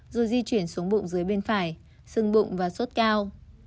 do di truyền xuống bụng dưới bên phải xưng bụng và sốt cao